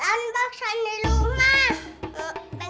rawun paksa di rumah